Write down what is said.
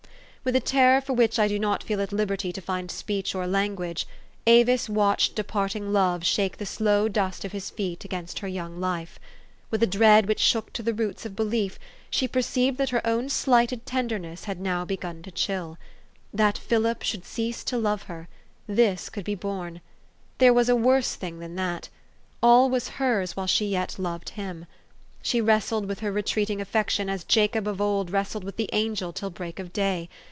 With a terror for which I do not feel at liberty to find speech or language, Avis watched departing love shake the slow dust of his feet against her young life. With a dread which shook to the roots of belief, she perceived that her own slighted ten derness had now begun to chill. That Philip should cease to love her this could be borne. There was a worse thing than that. All was hers while she yet loved him. She wrestled with her retreating affec tion as Jacob of old wrestled with the angel till break of day.